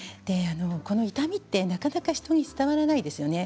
この痛みというのはなかなか人に伝わらないですよね。